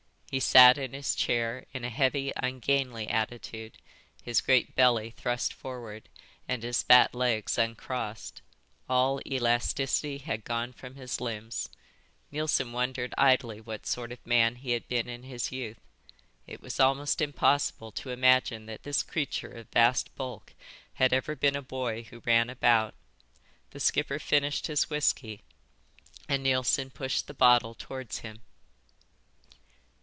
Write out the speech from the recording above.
He sat in his chair in a heavy ungainly attitude, his great belly thrust forward and his fat legs uncrossed. All elasticity had gone from his limbs. Neilson wondered idly what sort of man he had been in his youth. It was almost impossible to imagine that this creature of vast bulk had ever been a boy who ran about. The skipper finished his whisky, and Neilson pushed the bottle towards him.